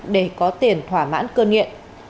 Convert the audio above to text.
để có tiền thỏa mãn cơ nghiện